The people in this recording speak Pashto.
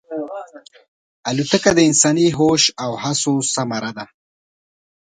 الوتکه د انساني هوش او هڅو ثمره ده.